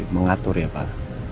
mengatur ya pak